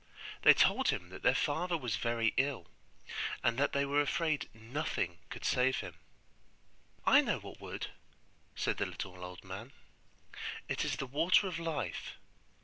They told him that their father was very ill, and that they were afraid nothing could save him. 'I know what would,' said the little old man; 'it is the Water of Life.